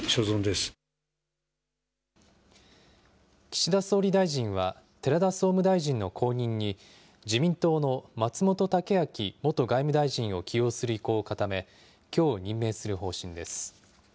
岸田総理大臣は、寺田総務大臣の後任に、自民党の松本剛明元外務大臣を起用する意向を固め、きょう任命する方針です。